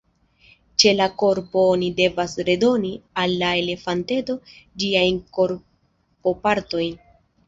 Ĉe la korpo oni devas redoni al la elefanteto ĝiajn korpopartojn.